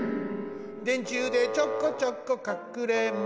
「でんちゅうでちょこちょこかくれんぼ」